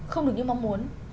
không được như mong muốn